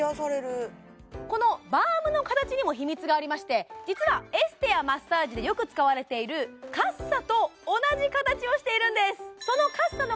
このバームの形にも秘密がありまして実はエステやマッサージでよく使われているカッサと同じ形をしているんです